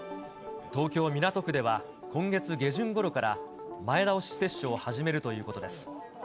東京・港区では今月下旬ごろから前倒し接種を始めるということです。